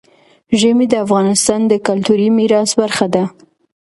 ژمی د افغانستان د کلتوري میراث برخه ده.